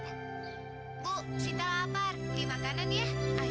ibu sita lapar beli makanan ya